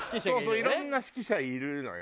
いろんな指揮者いるのよ。